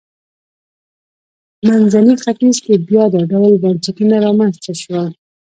منځني ختیځ کې بیا دا ډول بنسټونه رامنځته شول.